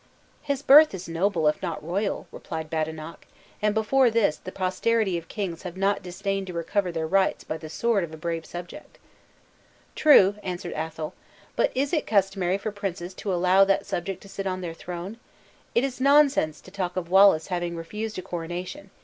"His birth is noble if not royal," replied Badenoch; "and before this, the posterity of kings have not disdained to recover their rights by the sword of a brave subject." "True," answered Athol; "but is it customary for princes to allow that subject to sit on their throne? It is nonsense to talk of Wallace having refused a coronation.